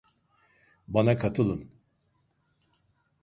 Bana katılın.